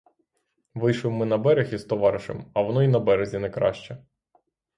Вийшли ми на берег із товаришем, а воно й на березі не краще.